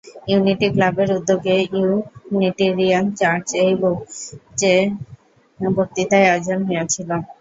Unity ক্লাবের উদ্যোগে Unitarian চার্চ-এ এই বক্তৃতার আয়োজন হইয়াছিল।